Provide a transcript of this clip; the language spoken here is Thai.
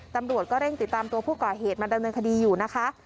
ตำรวจก็เร่งติดตามตัวผู้ก่อเหตุมาดำเนินคดีอยู่นะคะ